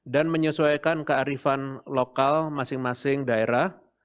dan menyesuaikan kearifan lokal masing masing daerah